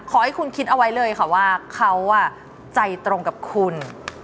ขอให้คุณคิดเอาไว้เลยค่ะว่าเขาใจตรงกับคุณ